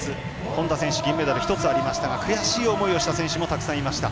本多選手銀メダル１つありましたが悔しい思いをした選手もたくさんいました。